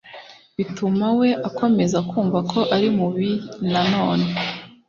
bituma we akomeza kumva ko ari mubi nanone